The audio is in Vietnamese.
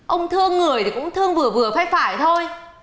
ông thương người thì cũng thương vừa vừa phách phải thôi